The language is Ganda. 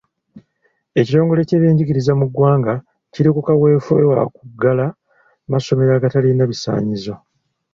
Ekitongole ky’ebyenjigiriza mu ggwanga kiri ku kaweefube wa kuggala masomero agatalina bisaanyizo.